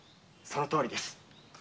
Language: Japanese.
そのとおりです。